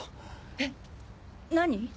えっ何？